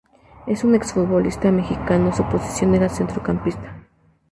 Es un exfutbolista mexicano su posición era centrocampista.